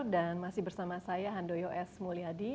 dan masih bersama saya handoyo s mulyadi